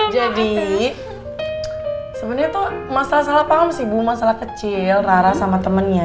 jadi sebenarnya tuh masalah salah paham sih bu masalah kecil rara sama temennya